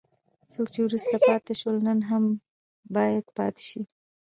څوک چې وروسته پاتې شول نن هم باید پاتې شي.